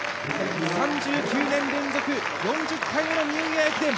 ３９年連続４０回目のニューイヤー駅伝。